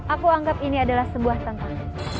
aku anggap ini adalah sebuah tantangan